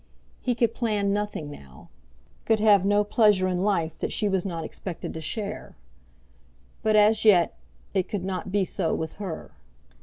He could plan nothing now, could have no pleasure in life that she was not expected to share. But as yet it could not be so with her.